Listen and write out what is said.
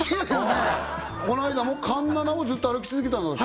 この間も環七をずっと歩き続けたんだって？